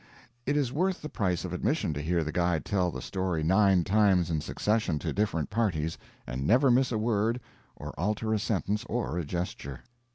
It is worth the price of admission to hear the guide tell the story nine times in succession to different parties, and never miss a word or alter a sentence or a gesture.